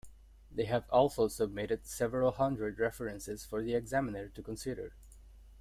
They have also submitted several hundred references for the examiner to consider.